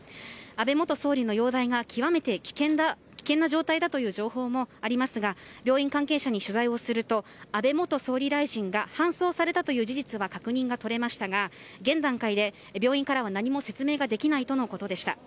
安倍元総理の容体が極めて危険な状態だという情報もありますが病院関係者に取材をすると安倍元総理大臣が搬送されたという事実は確認が取れましたが現段階で病院からは何も説明ができないということでした。